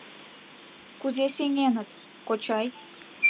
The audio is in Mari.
— Кузе сеҥынет, кочай?